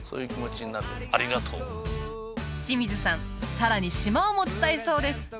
さらに島を持ちたいそうです